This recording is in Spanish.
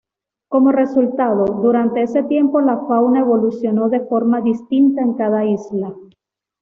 Como resultado, durante ese tiempo la fauna evolucionó de forma distinta en cada isla.